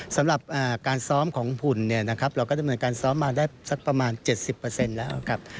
สำหรับการซ้อมของหุ่นเราก็ได้ทำการซ้อมมาได้ประมาณ๗๐แล้ว